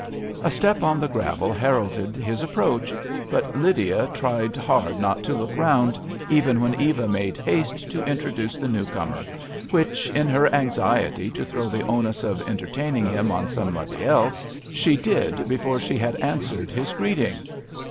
A step on the gravel heralded his approach ; but Lydia tried hard not to look round, even when Eva made haste to intro duce the new comer, which, in her anxiety to throw the onus of entertaining him on somebody else, she did before she had answered his greeting.